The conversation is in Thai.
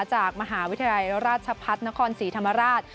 จากมหาวิทยาลัยราชพัฒนครศรีธรรมราช